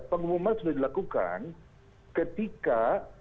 pengumuman sudah dilakukan ketika